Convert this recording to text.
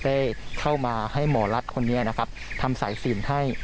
ได้เข้ามาให้หมอรัฐคนนี้นะครับทำสายสินให้